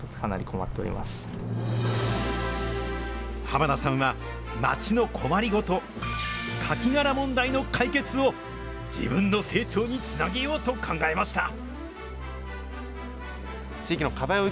濱田さんは、まちの困りごと、カキ殻問題の解決を、自分の成長につなげようと考えました。